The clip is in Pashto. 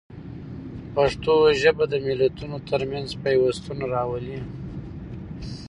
پښتو ژبه د ملتونو ترمنځ پیوستون راولي.